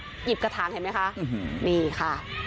หยิบกระถางเห็นไหมคะนี่ค่ะ